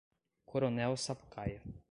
Coronel Sapucaia